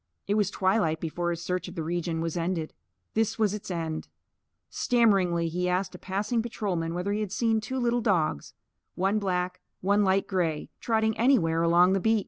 It was twilight before his search of the region was ended. This was its end: Stammeringly he asked a passing patrolman whether he had seen two little dogs one black, one light grey trotting anywhere along the beat.